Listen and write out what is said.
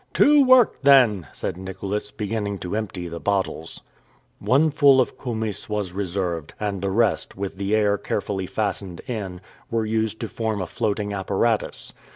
"To work, then," said Nicholas, beginning to empty the bottles. One full of koumyss was reserved, and the rest, with the air carefully fastened in, were used to form a floating apparatus.